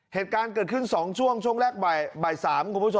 เหตุการณ์เกิดขึ้น๒ช่วงช่วงแรกแบบ๓๐๐